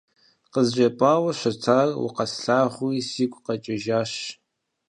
КъызжепӀауэ щытар, укъэслъагъури, сигу къэкӀыжащ.